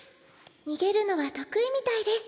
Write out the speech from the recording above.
逃げるのは得意みたいです。